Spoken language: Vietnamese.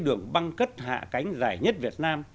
đường băng cất hạ cánh dài nhất việt nam